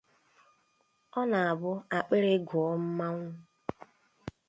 Ọ na-abụ akpịrị gụọ mmanwụ